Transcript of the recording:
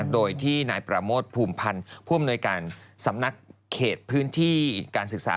โดยที่นายประโมทภูมิพันธ์ผู้อำนวยการสำนักเขตพื้นที่การศึกษา